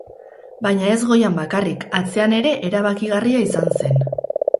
Baina ez goian bakarrik, atzean ere erabakigarria izan zen.